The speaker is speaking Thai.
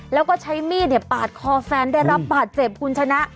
แล้วก็ใช้มีดปาดคอแฟนได้รับบาดเจ็บคุณชนะ